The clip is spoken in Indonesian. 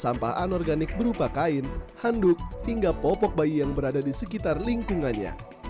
sampah anorganik berupa kain handuk hingga popok bayi yang berada di sekitar lingkungannya